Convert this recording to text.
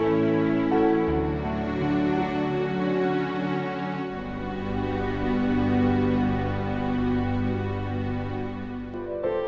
amber campur lebih mantan ini